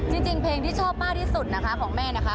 จริงเพลงที่ชอบมากที่สุดนะคะของแม่นะคะ